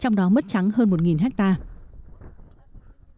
trong đó mất trắng hơn một hectare